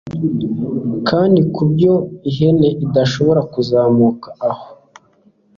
kandi ku buryo ihene idashobora kuzamuka aho